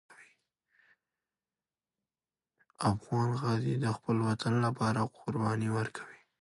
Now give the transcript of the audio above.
افغان غازي د خپل وطن لپاره قرباني ورکوي.